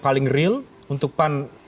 paling real untuk pan